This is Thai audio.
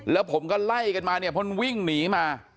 แล้วผมก็ไล่กันมาเนี่ยเพราะมันวิ่งหนีมา